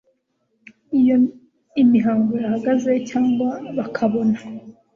iyo imihango yahagaze, cyangwa bakabona